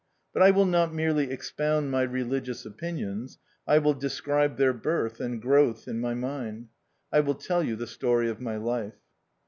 But I will not merely expound my religious opinions ; I will describe their birth and growth in my mind. I will tell you the story of my life.